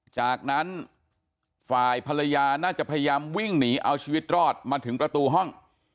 จากนั้นฝ่ายภรรยาน่าจะพยายามวิ่งหนีเอาชีวิตรอดมาถึงประตูห้อง